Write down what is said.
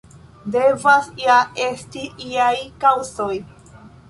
Devas ja esti iaj kaŭzoj.